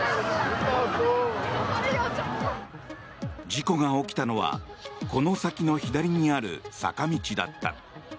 事故が起きたのはこの先の左にある坂道だった。